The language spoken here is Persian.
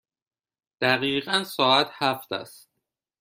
دقیقاً ساعت هفت است.